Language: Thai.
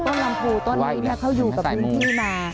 ลำพูต้นนี้เขาอยู่กับพื้นที่มา